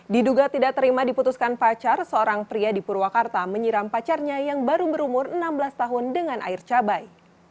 diduga tidak terima diputuskan pacar seorang pria di purwakarta menyiram pacarnya yang baru berumur enam belas tahun dengan air cabai